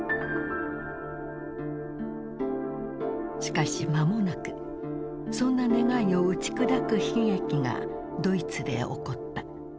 しかし間もなくそんな願いを打ち砕く悲劇がドイツで起こった。